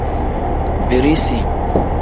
Birisi.